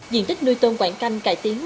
diện tích nuôi tôm quảng canh cải tiến